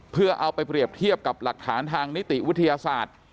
เพื่อเอาไปเปรียบเทียบกับหลักฐานทางนิติวิทยาศาสตร์